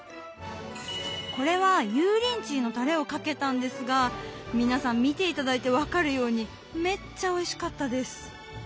これは油淋鶏のたれをかけたんですが皆さん見て頂いて分かるようにめっちゃおいしかったです。